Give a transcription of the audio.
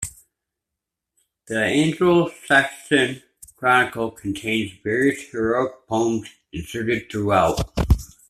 The "Anglo-Saxon Chronicle" contains various heroic poems inserted throughout.